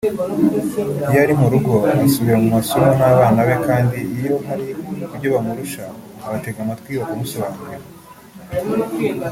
Iyo ari mu rugo asubira mu masomo n’abana be kandi iyo hari ibyo bamurusha abatega amatwi bakamusobanurira